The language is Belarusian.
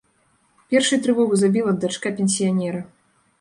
Першай трывогу забіла дачка пенсіянера.